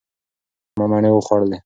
ما مڼې وخوړلې.